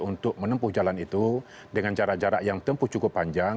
untuk menempuh jalan itu dengan jarak jarak yang tempuh cukup panjang